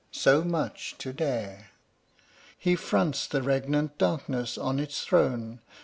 so much to dare, He fronts the regnant Darkness on its throne.